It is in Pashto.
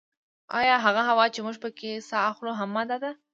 ایا هغه هوا چې موږ پکې ساه اخلو هم ماده ده